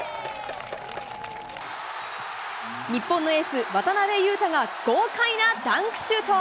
日本のエース、渡邊雄太が豪快なダンクシュート。